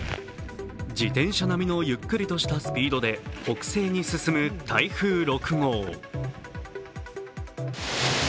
自転車並みのゆっくりとしたスピードで北西に進む台風６号。